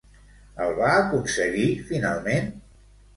El va aconseguir finalment?